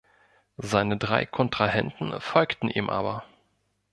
Seine drei Kontrahenten folgten ihm aber.